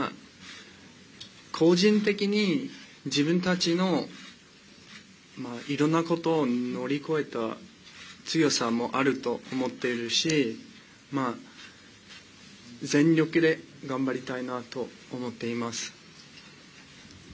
個人的に自分たちのいろんなことを乗り越えた強さもあると思っているし全力で頑張りたいなと思っています。